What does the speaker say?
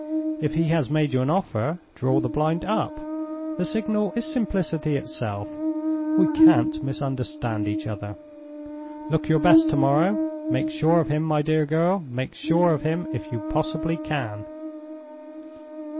If he has made you an offer, draw the blind up. The signal is simplicity itself; we can't misunderstand each other. Look your best to morrow! Make sure of him, my dear girl—make sure of him, if you possibly can."